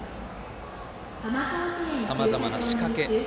さまざまな仕掛け。